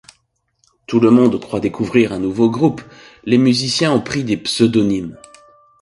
Tout le monde croit découvrir un nouveau groupe, les musiciens ont pris des pseudonymes.